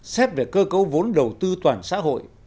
xét về cơ cấu vốn đầu tư toàn xã hội